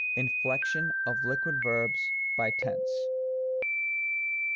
Ikflection of Liquid Verbs by Tense.